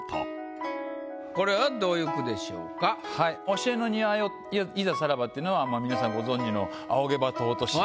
「教えの庭よいざさらば」っていうのは皆さんご存じの「仰げば尊し」。